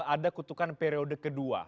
ada kutukan periode kedua